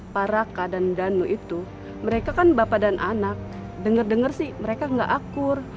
para kak dan danu itu mereka kan bapak dan anak denger denger sih mereka gak akur